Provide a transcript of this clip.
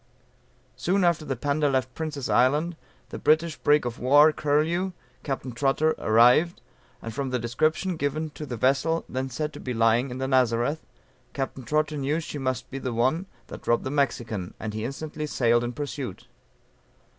Soon after the Panda left Prince's Island, the British brig of war, Curlew, Capt. Trotter arrived, and from the description given of the vessel then said to be lying in the Nazareth, Capt. Trotter knew she must be the one, that robbed the Mexican; and he instantly sailed in pursuit.